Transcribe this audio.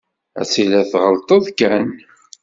Ad tiliḍ tɣelṭeḍ kan.